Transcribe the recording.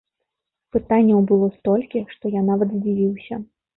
Пытанняў было столькі, што я нават здзівіўся.